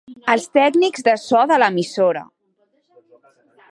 Els tècnics de so de l'emissora.